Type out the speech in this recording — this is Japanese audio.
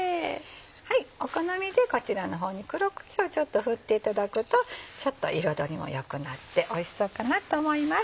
お好みでこちらの方に黒こしょうちょっと振っていただくとちょっと彩りも良くなっておいしそうかなと思います。